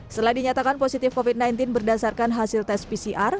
setelah dinyatakan positif covid sembilan belas berdasarkan hasil tes pcr